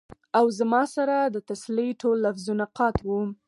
او زما سره د تسلۍ ټول لفظونه قات وو ـ